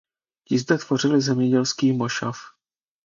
Ti zde vytvořili zemědělský mošav.